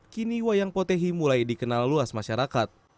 kini wayang potehi mulai dikenal luas masyarakat